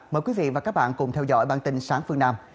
mời quý vị và các bạn cùng theo dõi bản tin sáng phương nam